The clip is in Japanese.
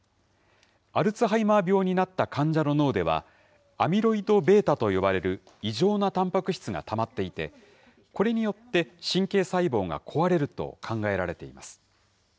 アルツハイマー病になった患者の脳では、アミロイドβと呼ばれる異常なたんぱく質がたまっていて、これによって神経細胞が壊れると考えられています。